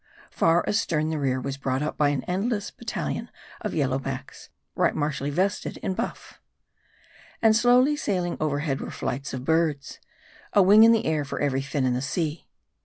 Far astern the rear w r as brought up by endless battalions of Yellow backs, right martially vested in buff. And slow sailing overhead were flights of birds ; a wing in the air for every fin in the sea.